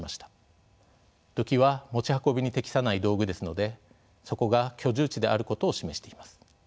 土器は持ち運びに適さない道具ですのでそこが居住地であることを示しています。